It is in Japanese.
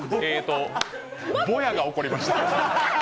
ぼやが起こりました。